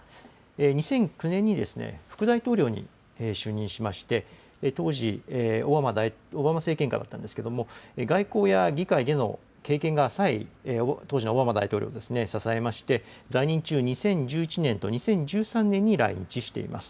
２００９年に副大統領に就任しまして、当時オバマ政権下だったんですけれども、外交や議会での経験が浅い当時のオバマ大統領を支えまして、在任中２０１１年と２０１３年に来日しています。